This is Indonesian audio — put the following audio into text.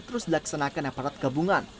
terus dilaksanakan aparat gabungan